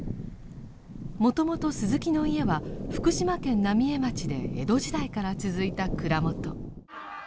もともと鈴木の家は福島県浪江町で江戸時代から続いた蔵元。